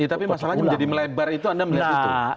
tapi masalahnya menjadi melebar itu anda melihat itu